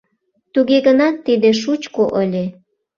Туге гынат, тиде шучко ыле.